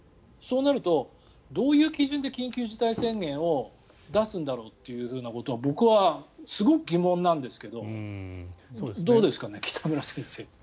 そうなると、どういう基準で緊急事態宣言を出すんだろうということは僕はすごく疑問なんですけどどうですかね、北村先生。